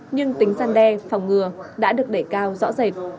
nhưng tính gian đe phòng ngừa đã được đẩy cao rõ rệt